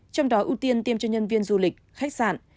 trong đó ưu tiên tiêm cho nhân viên du lịch khách sạn